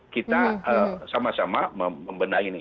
kita sama sama membenahi ini